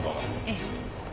ええ。